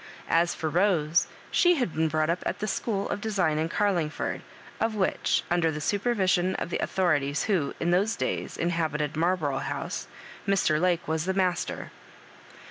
As for Rose, she had been brought up at the school of design in Oarlingford, of which, under the supervision of the authorities who, in those days, inhabited Marlborough House, Mr. Lake was the master.